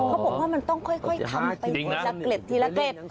เขาบอกว่ามันต้องค่อยทำไปทีละเกล็ด